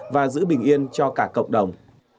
và giữ bình yên cho cả cộng đồng